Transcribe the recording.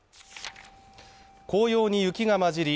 紅葉に雪がまじり